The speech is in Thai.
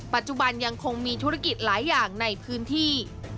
ปัจจุบันยังคงมีธุรกิจหลายอย่างในพื้นที่